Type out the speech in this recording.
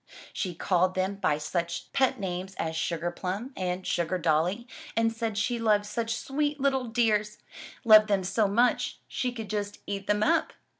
She called them by such pet names as Sugar Plum and Sugar Dolly and said she loved such sweet little dears — loved them so much she could just eat them up!